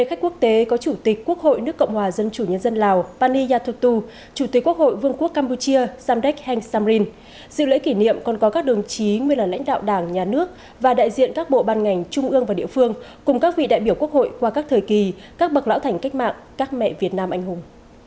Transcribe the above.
các vị đại biểu quốc hội qua các thời kỳ các bậc lão thành cách mạng các mẹ việt nam anh hùng